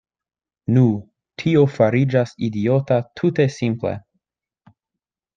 Nu, tio fariĝas idiota tute simple.